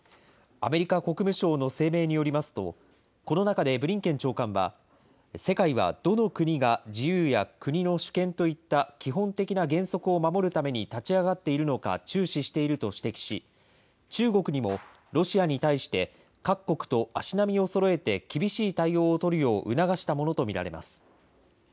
アメリカ国務省の声明によりますと、この中でブリンケン長官は、世界はどの国が自由や国の主権といった基本的な原則を守るために立ち上がっているのか注視していると指摘し、中国にもロシアに対して、各国と足並みをそろえて厳しい対応を取るよう促したものと見られます。